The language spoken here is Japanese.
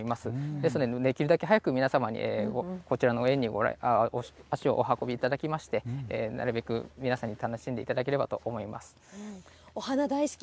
ですのでできるだけ早く皆様にこちらの園に足をお運びいただきましてなるべく皆さんに楽しんでいただければと思います。